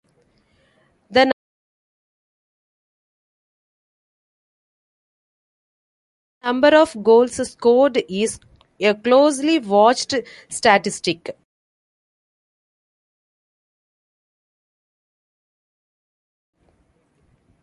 The number of goals scored is a closely watched statistic.